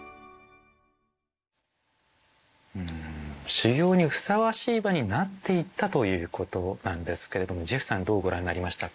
修行にふさわしい場になっていったということなんですけれどもジェフさんどうご覧になりましたか？